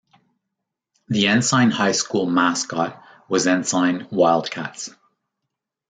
The Ensign High School mascot was Ensign Wildcats.